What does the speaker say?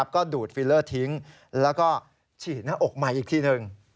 ก็ดูดฟิลเลอร์ทิ้งแล้วก็ฉีดหน้าอกใหม่อีกทีหนึ่ง